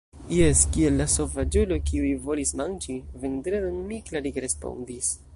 Jes, kiel la sovaĝuloj, kiuj volis manĝi Vendredon, mi klarige respondis.